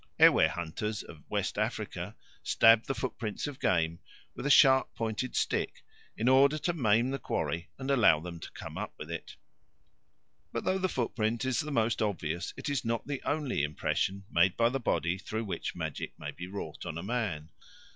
Ewe hunters of West Africa stab the footprints of game with a sharp pointed stick in order to maim the quarry and allow them to come up with it. But though the footprint is the most obvious it is not the only impression made by the body through which magic may be wrought on a man.